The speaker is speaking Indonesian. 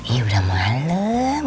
ih udah malem